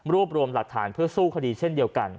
รวมรวมหลักฐานเพื่อสู้คดีเช่นเดียวกัน